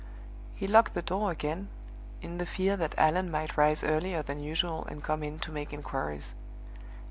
He locked the door again, in the fear that Allan might rise earlier than usual and come in to make inquiries.